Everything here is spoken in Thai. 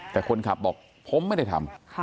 แต่คนขับบอกผมไม่ได้ทำ